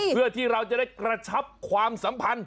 เพื่อที่เราจะได้กระชับความสัมพันธ์